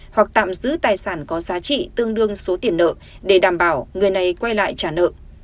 hoặc tạm giữ tài sản có giá trị tương đương số tiền nợ để đảm bảo người này quay lại trả nợ